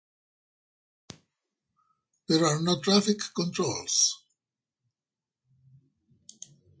There are no traffic controls.